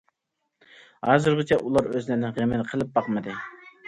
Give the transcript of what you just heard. ھازىرغىچە ئۇلار ئۆزلىرىنىڭ غېمىنى قىلىپ باقمىدى.